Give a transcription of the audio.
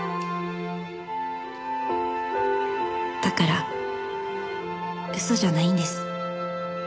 「だから嘘じゃないんです」